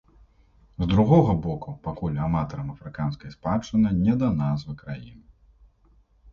З другога боку, пакуль аматарам афрыканскай спадчыны не да назвы краіны.